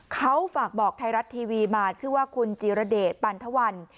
เขาฝากบอกไทยรัฐทีวีมาชื่อว่าคุณจิรเดชปันทวัน